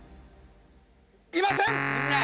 いません！